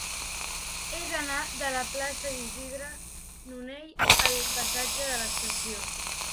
He d'anar de la plaça d'Isidre Nonell al passatge de l'Estació.